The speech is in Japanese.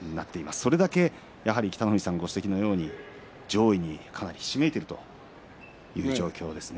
それだけ北の富士さんご指摘のように上位にかなりひしめいているという状況ですね。